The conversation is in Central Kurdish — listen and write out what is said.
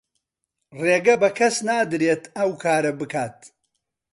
ڕێگە بە کەس نادرێت ئەو کارە بکات.